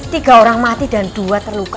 tiga orang mati dan dua terluka